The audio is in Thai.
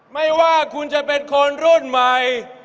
ไม่ว่าคุณจะเป็นคนรุ่นใหม่